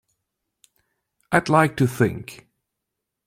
I'd like to think.